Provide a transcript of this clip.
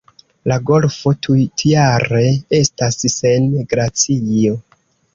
La golfo tutjare estas sen glacio.